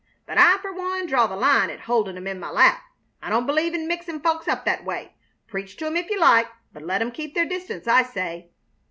But I, fer one, draw the line at holdin' 'em in my lap. I don't b'lieve in mixin' folks up that way. Preach to 'em if you like, but let 'em keep their distance, I say."